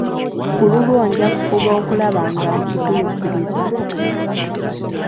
Ku lulwo nja kufuba okulaba nga nkituukiriza.